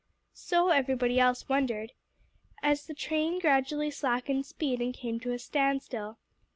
So everybody else wondered, as the train gradually slackened speed and came to a standstill.